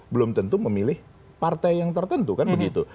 belum tentu memilih partai yang tertentu kan begitu